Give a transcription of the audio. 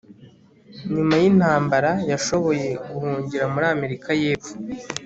nyuma yintambara, yashoboye guhungira muri amerika yepfo